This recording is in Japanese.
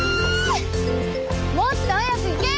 もっと速く行けよ！